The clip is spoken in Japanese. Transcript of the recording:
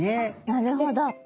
なるほど。